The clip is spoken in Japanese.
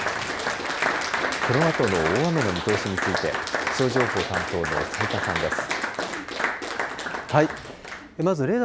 このあとの大雨の見通しについて気象情報担当の斉田さんです。